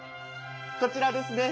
こちらですね。